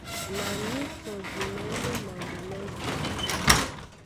Na mísɔ di mɛ̌nɛ́ mambo mɛ́sɛ̄.